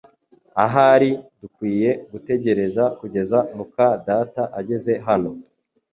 Ahari dukwiye gutegereza kugeza muka data ageze hano